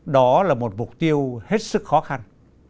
đó là một mục tiêu hết sức khó khăn